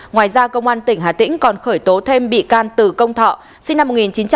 ngoài ra công an tỉnh hà tĩnh còn khởi tố thêm bị can từ công thọ sinh năm một nghìn chín trăm tám mươi